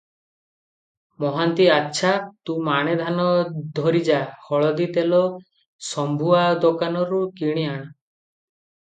ମହାନ୍ତି-ଆଚ୍ଛା, ତୁ ମାଣେ ଧାନ ଧରି ଯା, ହଳଦୀ ତେଲ ଶମ୍ଭୁଆ ଦୋକାନରୁ କିଣି ଆଣ ।